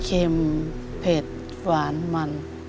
เค็มเผ็ดหวานมัน